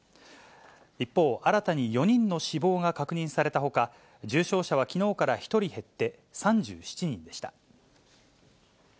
一方、新たに４人の死亡が確認されたほか、重症者はきのうから１人減って３７人でした。